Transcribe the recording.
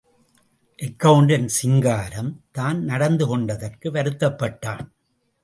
Accountant Singaram, தான் நடந்து கொண்டதற்கு வருத்தப்பட்டான்.